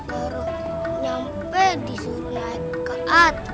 loro nyampe disuruh naik ke atas